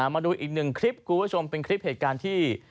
มาดูอีกหนึ่งคลิปคุณผู้ชมเป็นคลิปเหตุการณ์ที่